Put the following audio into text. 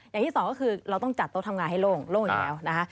อย่างที่สองก็คือเราต้องจัดโต๊ะทำงานให้โล่งโล่งอย่างนี้แหละ